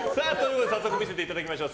早速見せていただきましょう。